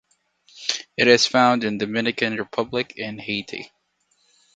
It is found in Dominican Republic and Haiti.